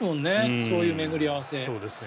そういう巡り合わせ。